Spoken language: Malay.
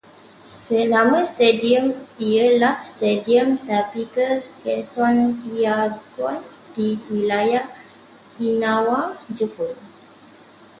Nama stadium ialah Stadium Tapic Kenso Hiyagon, di Wilayah Okinawa, Jepun